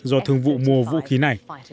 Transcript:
do thương vụ mua vũ khí này